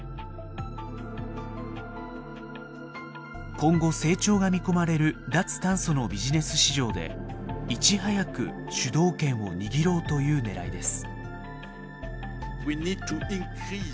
今後成長が見込まれる脱炭素のビジネス市場でいち早く主導権を握ろうという狙いです。